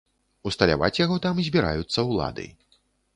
Усталяваць яго там збіраюцца ўлады.